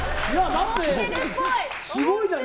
だって、すごいじゃん。